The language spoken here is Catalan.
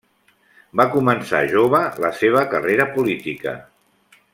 Va començar jove la seva carrera política.